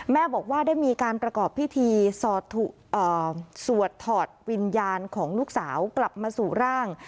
บอกว่าได้มีการประกอบพิธีสวดถอดวิญญาณของลูกสาวกลับมาสู่ร่าง